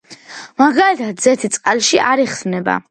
მაგალითად ზეთი წყალში არ იხსნება.